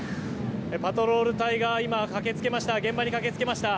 パトロール隊が今、駆けつけました。